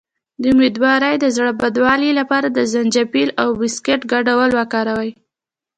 د امیدوارۍ د زړه بدوالي لپاره د زنجبیل او بسکټ ګډول وکاروئ